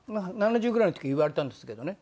７０ぐらいの時に言われたんですけどね。